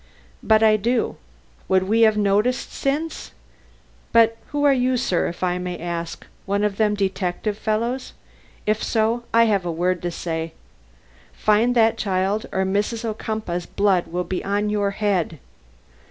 "But I do. Would we have noticed since? But who are you, sir, if I may ask? One of them detective fellows? If so, I have a word to say: Find that child or Mrs. Ocumpaugh's blood will be on your head!